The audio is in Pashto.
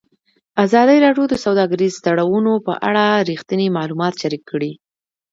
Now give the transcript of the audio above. ازادي راډیو د سوداګریز تړونونه په اړه رښتیني معلومات شریک کړي.